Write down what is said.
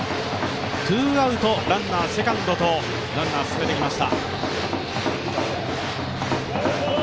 ツーアウト、ランナーセカンドとランナー進めてきました。